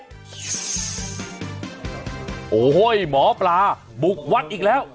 อ่อเฮ้ยหมอปลาบุกวัดอีกแล้ว